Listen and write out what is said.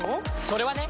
それはね！